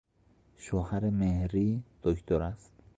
شوهر مهری دکتر است.